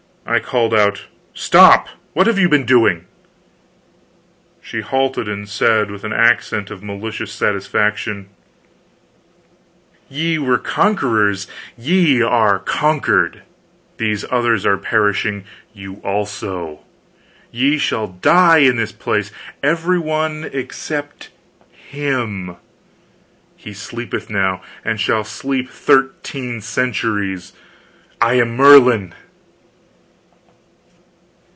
I called out: "Stop! What have you been doing?" She halted, and said with an accent of malicious satisfaction: "Ye were conquerors; ye are conquered! These others are perishing you also. Ye shall all die in this place every one except him. He sleepeth now and shall sleep thirteen centuries. I am Merlin!"